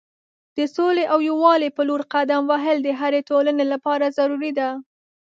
د سولې او یووالي په لور قدم وهل د هرې ټولنې لپاره ضروری دی.